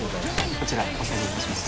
こちらお下げいたします。